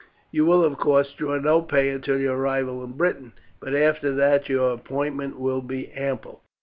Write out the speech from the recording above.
"You will, of course, draw no pay until your arrival in Britain; but after that your appointment will be ample.